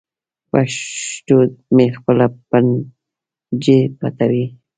پیشو مې خپلې پنجې پټوي.